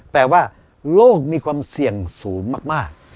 แต่ว่าโลกมีความเสี่ยงสูงมาก